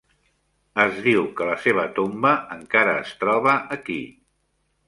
Es diu que la seva tomba encara es troba aquí.